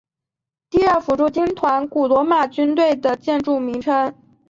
第二辅助军团古罗马军队建制名称。